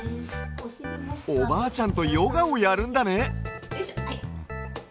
おばあちゃんとヨガをやるんだね。